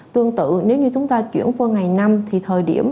tương tự nếu như chúng ta chuyển qua ngày năm thì thời điểm